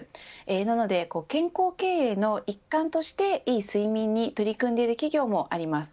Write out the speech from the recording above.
なので健康経営の一環としていい睡眠に取り組んでいる企業もあります。